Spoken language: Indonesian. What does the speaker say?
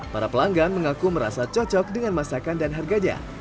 para pelanggan mengaku merasa cocok dengan masakan dan harganya